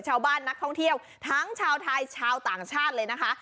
ชาวบ้านนักท่องเที่ยวทั้งชาวไทยชาวต่างชาติเลยนะคะ